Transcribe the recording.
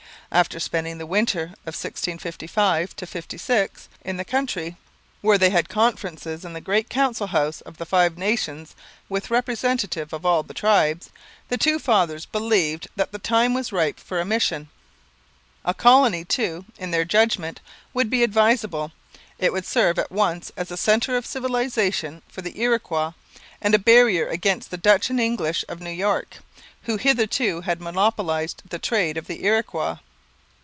After spending the winter of 1655 56 in the country, where they had conferences in the great council house of the Five Nations with representatives of all the tribes, the two fathers believed that the time was ripe for a mission. A colony, too, in their judgment, would be advisable; it would serve at once as a centre of civilization for the Iroquois and a barrier against the Dutch and English of New York, who hitherto had monopolized the trade of the Iroquois.